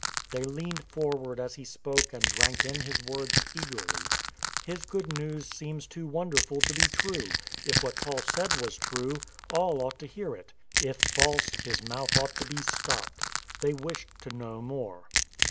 They leaned forward as he spoke and drank in his words eagerly. His Good News seems too wonderful to be true; if what * Diana as the Romans called her. "LONE ON THE LAND" 239 Paul said was true, all ought to hear it: if false, his mouth ought to be stopped. They wished to know more.